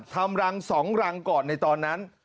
ทำรัง๒รังก่อนในตอนนั้น